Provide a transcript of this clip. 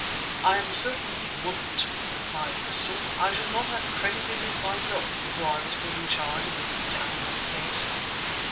"I am certain he wouldn't!" replied Bristol. "I should not have credited it myself before I was put in charge of this damnable case."